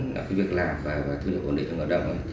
ngoài ra việc làm và thu nhập người lao động